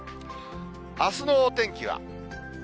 あすのお天気は。